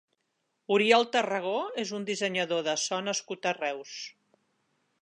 Oriol Tarragó és un dissenyador de so nascut a Reus.